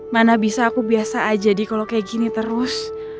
mana bisa aku biasa aja di kalau kayak gini terus